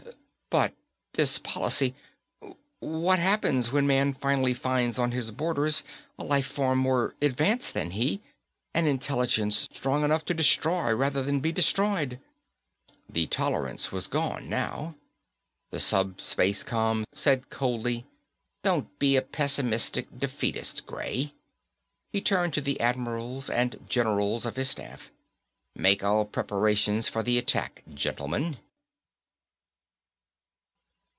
but this policy.... What happens when man finally finds on his borders a life form more advanced than he an intelligence strong enough to destroy rather than be destroyed?" The tolerance was gone now. The SupSpaceCom said coldly, "Don't be a pessimistic defeatist, Gray." He turned to the admirals and generals of his staff. "Make all preparations for the attack, gentlemen."